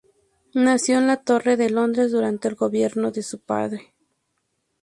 Nació en la Torre de Londres, durante el gobierno de su padre.